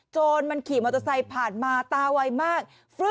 จนมันขี่มอเตอร์ไซค์ผ่านมาตาไวมาก